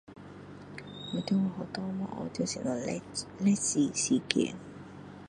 我在我学校没有学到什么历历史事件